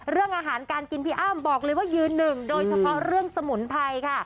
เรื่องอาหารการกินพี่อ้ำบอกเลยว่ายืนหนึ่งโดยเฉพาะเรื่องสมุนไพรค่ะ